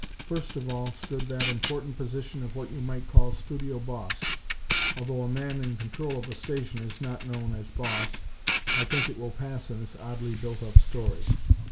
First of all stood that important position of what you might call "studio boss." Although a man in control of a station is not known as "boss," I think it will pass in this oddly built up story.